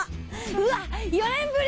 うわっ４年ぶり！